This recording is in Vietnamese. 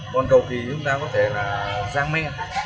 còn cầu kỳ chúng ta có thể là giang mê